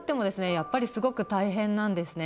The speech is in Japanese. やっぱりすごく大変なんですね。